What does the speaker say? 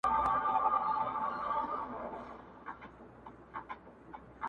• د ملا تر زړه وتلې د غم ستني -